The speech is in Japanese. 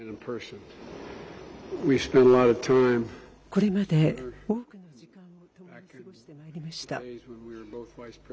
これまで多くの時間を共に過ごしてまいりました。